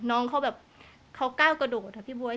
น้องเขาก้าวกระโดดครับพี่บ๊วย